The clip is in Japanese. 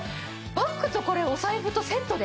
バッグとこれお財布とセットで！？